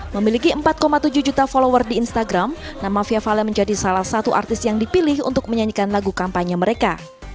memiliki empat tujuh juta follower di instagram nama fia valen menjadi salah satu artis yang dipilih untuk menyanyikan lagu kampanye mereka